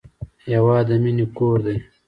هېواد د مینې کور دی.